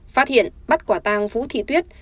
phát hiện bắt quả tang phú thị tuyết